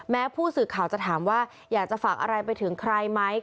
ผู้สื่อข่าวจะถามว่าอยากจะฝากอะไรไปถึงใครไหม